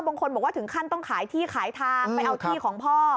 บางคนบอกว่าถึงขั้นต้องขายที่ขายทางไปเอาที่ของพ่อ